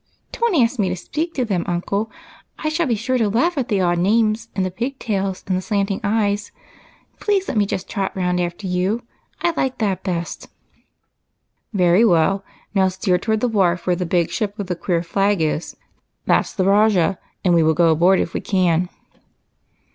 " Don't ask me to speak to them, uncle ; I shall be sure to laugh at the odd names and the pig tails and the slanting eyes. Please let me just trot round after you ; I like that best." " Very well ; now steer toward the wharf where the big ship with the queer flag is. That 's the 'Rajah,' and we will go aboard if we can."